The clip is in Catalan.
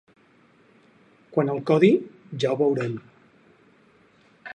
Quant al codi, ja ho veurem.